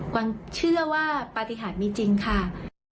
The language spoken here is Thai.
วันเชื่อว่าปฏิหารมีจริงค่ะ